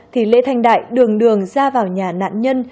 thì lê thanh đại đường đường ra vào nhà nạn nhân